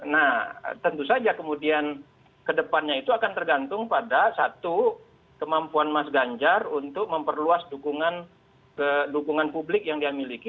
nah tentu saja kemudian kedepannya itu akan tergantung pada satu kemampuan mas ganjar untuk memperluas dukungan publik yang dia miliki